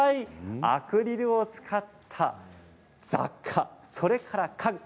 アクリルを使った雑貨、それから家具。